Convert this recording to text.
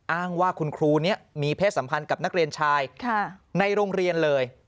อ้างว่าคุณครูนี้มีเพศสัมพันธ์กับนักเรียนชายในโรงเรียนเลย